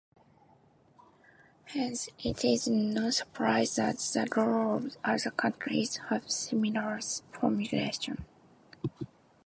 Hence, it is no surprise that the laws of other countries have similar formulations.